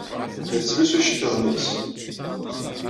La tettlusu iceḍḍiḍen-nnes.